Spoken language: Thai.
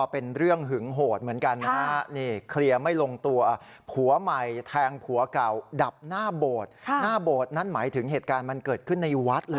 เป็นเรื่องหึงโหดเหมือนกันนะนี่